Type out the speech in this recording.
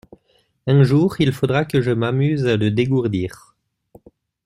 Un jour, il faudra que je m’amuse à le dégourdir.